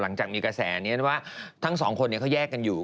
หลังจากมีกระแสนี้ว่าทั้งสองคนเขาแยกกันอยู่